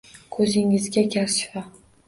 Ko‘zingizga gar shifo.